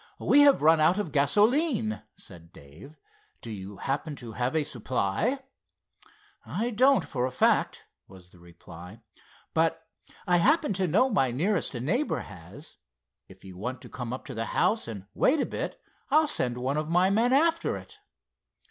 "We have run out of gasoline," said Dave. "Do you happen to have a supply?" "I don't, for a fact," was the reply, "but I happen to know my nearest neighbor has. If you want to come up to the house, and wait a bit, I'll send one of my men after it."